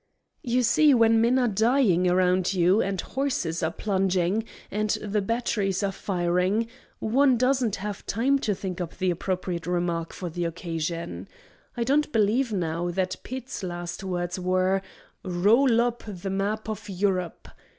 You see, when men are dying around you, and horses are plunging, and the batteries are firing, one doesn't have time to think up the appropriate remark for the occasion. I don't believe, now, that Pitt's last words were, 'Roll up the map of Europe.'